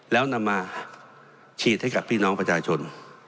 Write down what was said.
แล้วนำมาฉีดให้กับพี่น้องประชาชน